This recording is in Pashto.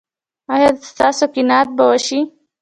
ایا ستاسو قناعت به وشي؟